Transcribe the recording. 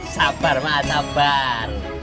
sabar mata ban